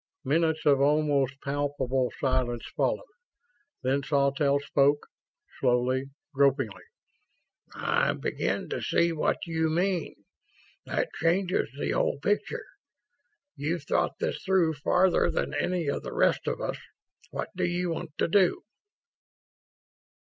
Minutes of almost palpable silence followed. Then Sawtelle spoke ... slowly, gropingly. "I begin to see what you mean ... that changes the whole picture. You've thought this through farther than any of the rest of us ... what do you want to do?"